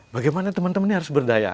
bagaimana teman teman ini harus berdaya